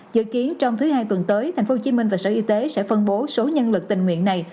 dự kiến trong thứ hai tuần tới tp hcm và sở y tế sẽ phân bố số nhân lực tình nguyện này